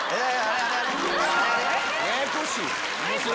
ややこしいわ。